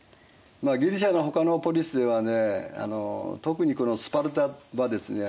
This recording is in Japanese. ギリシアのほかのポリスではね特にスパルタはですね